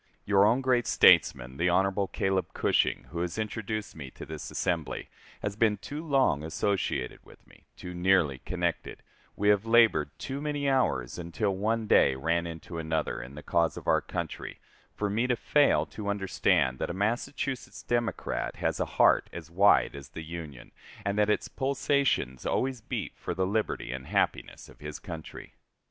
Your own great statesman [the Hon. Caleb Cushing], who has introduced me to this assembly, has been too long associated with me, too nearly connected, we have labored too many hours, until one day ran into another, in the cause of our country, for me to fail to understand that a Massachusetts Democrat has a heart as wide as the Union, and that its pulsations always beat for the liberty and happiness of his country.